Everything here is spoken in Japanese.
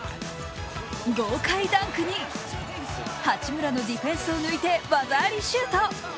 豪快ダンクに八村のディフェンスを抜いて技ありシュート。